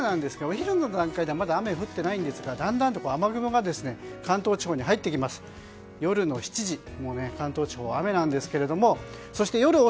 これは明日のお昼なんですがお昼の段階ではまだ雨が降っていないんですがだんだん雨雲が関東地方に入ってきます。